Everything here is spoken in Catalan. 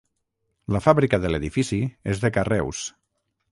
La fàbrica de l'edifici és de carreus.